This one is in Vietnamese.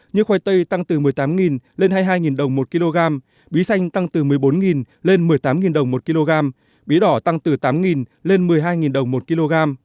như khoai tây tăng từ một mươi tám lên hai mươi hai đồng một kg bí xanh tăng từ một mươi bốn lên một mươi tám đồng một kg bí đỏ tăng từ tám lên một mươi hai đồng một kg